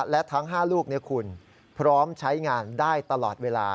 และทั้ง๕ลูกคุณพร้อมใช้งานได้ตลอดเวลา